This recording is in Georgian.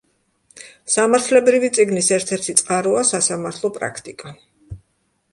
სამართლებრივი წიგნის ერთ-ერთი წყაროა სასამართლო პრაქტიკა.